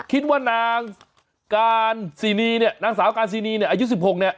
คิดว่านางการซีนีเนี่ยนางสาวการซีนีเนี่ยอายุ๑๖เนี่ย